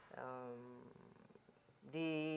di penyandang otis